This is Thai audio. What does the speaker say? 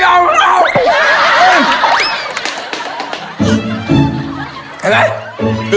กินชิบเหมือนพี่